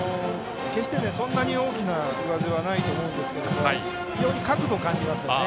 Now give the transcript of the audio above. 決してそんなに大きな上背ないと思うんですが非常に角度を感じますよね。